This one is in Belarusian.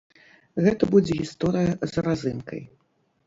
Гэта будзе гісторыя з разынкай.